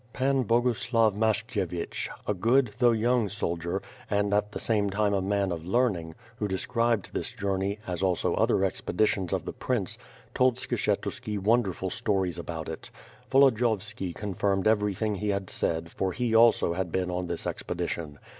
Pan Boguslav Mashkievich, a p:ood, though young soldier, and at the same time a man of learning, who described this journey, as also other expeditions of the prince, told Skshe 72 y^lTH FIRE AND SWORD. tuski wonderful stories about it. Volodiyovski confirmed everything lie said for he also had been on this expedition.